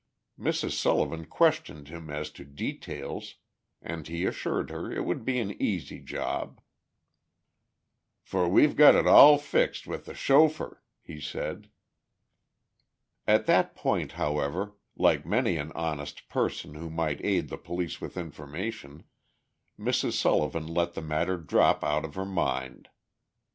Mrs. Sullivan questioned him as to details, and he assured her it would be an easy job. "For we've got it all fixed with the chauffeur," he said. At that point, however, like many an honest person who might aid the police with information, Mrs. Sullivan let the matter drop out of her mind.